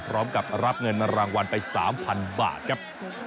พร้อมกับรับเงินรางวัลไป๓๐๐๐บาทครับ